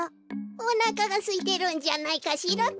おなかがすいてるんじゃないかしらべ。